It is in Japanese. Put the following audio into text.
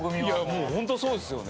ホントそうですよね。